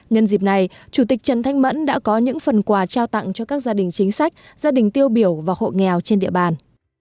nhân dịp này chủ tịch trần thanh mẫn đã có những phần quà trao tặng cho các gia đình chính sách gia đình tiêu biểu và hộ nghèo trên địa bàn